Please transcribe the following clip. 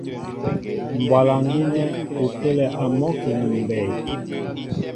Mbwalaŋ gínɛ́ ú pə́lɛ a mɔ́ki ni mbey.